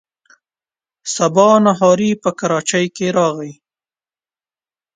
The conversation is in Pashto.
سبا نهاری په کراچۍ کې راغی.